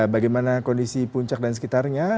bagaimana kondisi puncak dan sekitarnya